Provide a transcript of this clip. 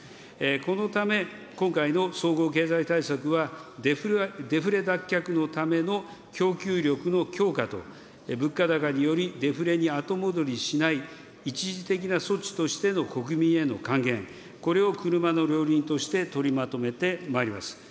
このため、今回の総合経済対策は、デフレ脱却のための供給力の強化と、物価高によりデフレに後戻りしない、一時的な措置としての国民への還元、これを車の両輪として、取りまとめてまいります。